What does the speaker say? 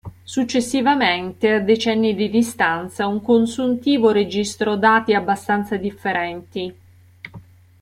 Successivamente, a decenni di distanza, un consuntivo registrò dati abbastanza differenti.